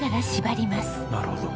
なるほど。